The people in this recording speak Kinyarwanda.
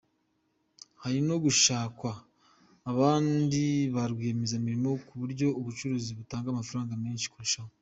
Hari no gushakwa abandi ba rwiyemezamirimo ku buryo ubucukuzi butanga amafaranga menshi kurushaho.